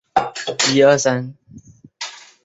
伦大国际课程在香港的历史悠久。